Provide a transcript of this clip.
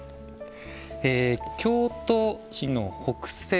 京都市の北西。